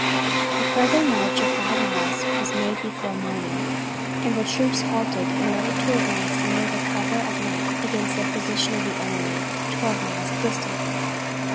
A further march of five miles was made before morning, and then the troops halted in order to advance under cover of night against the position of the enemy, twelve miles distant.